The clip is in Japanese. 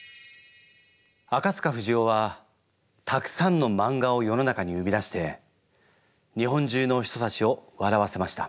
あかつかふじおはたくさんのマンガを世の中に生み出して日本中の人たちを笑わせました。